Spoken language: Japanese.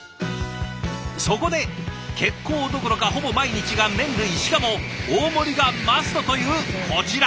そこで結構どころかほぼ毎日が麺類しかも大盛りがマストというこちら。